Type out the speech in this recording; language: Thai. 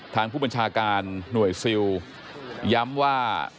ทางผู้บัญชาการหน่วยซิลย้ำว่า